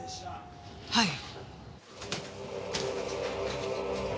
はい。